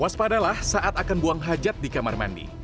waspadalah saat akan buang hajat di kamar mandi